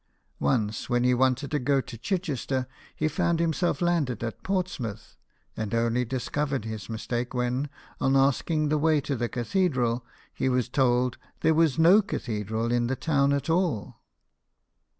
Once, when he wanted to go to Chichester, he found himself landed at Portsmouth, and only discovered his mistake when, on asking the way to the cathedral, he was told there was no cathedral in the town at all.